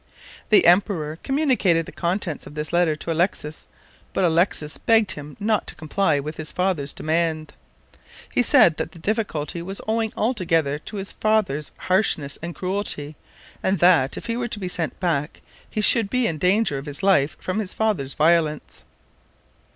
The emperor communicated the contents of this letter to Alexis, but Alexis begged him not to comply with his father's demand. He said that the difficulty was owing altogether to his father's harshness and cruelty, and that, if he were to be sent back, he should be in danger of his life from his father's violence.